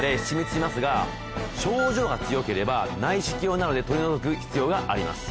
症状が強ければ内視鏡などで取り除く必要があります。